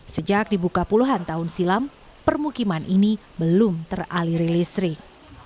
sejak dibuka puluhan tahun silam permukiman ini belum teraliri listrik